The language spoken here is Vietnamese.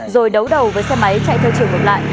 rồi đấu đầu với xe máy chạy theo trường hợp lại